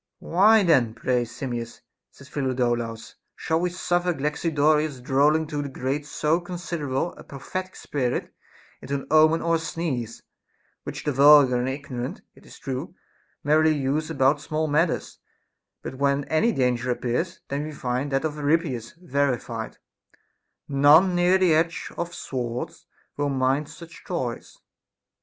Why then, pray, Simmias, said Phidolaus, shall we suffer Galaxidorus drollingly to degrade so considerable a prophetic spirit into an omen or a sneeze ; which the ' vulgar and ignorant, it is true, merrily use about small matters ; but when any danger appears, then we find that of Euripides verified, — None near the edge of swords will mind such toys.